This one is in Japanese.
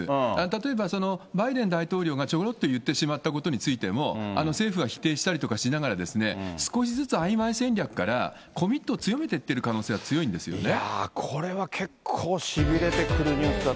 例えばバイデン大統領がちょろっと言ってしまったことについても、政府は否定したりとかしながら、少しずつあいまい戦略から、コミットを強めていってる可能性は強いんですよね。